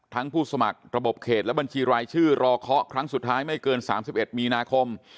ผู้สมัครระบบเขตและบัญชีรายชื่อรอเคาะครั้งสุดท้ายไม่เกิน๓๑มีนาคม